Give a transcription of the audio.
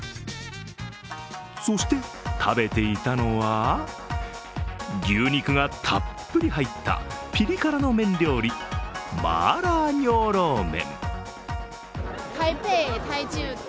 そして食べていたのは牛肉がたっぷり入ったピリ辛の麺料理、麻辣牛肉麺。